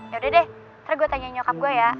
ya udah deh nanti gue tanya nyokap gue ya